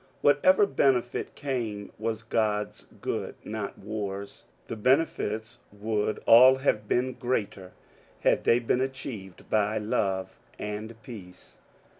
Whatever benefit came was God's good, not War's. The benefits would all have been greater had they been achieved by love and peace.